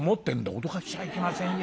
「驚かしちゃいけませんよ」。